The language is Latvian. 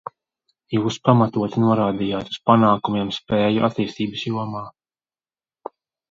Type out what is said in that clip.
Jūs pamatoti norādījāt uz panākumiem spēju attīstības jomā.